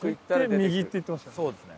右って言ってましたね。